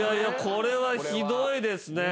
これはひどいですね。